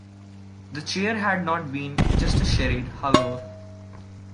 The chair had not been just a charade, however.